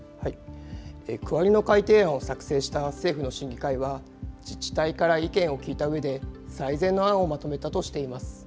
区割りの改定案を作成した政府の審議会は、自治体から意見を聞いたうえで、最善の案をまとめたとしています。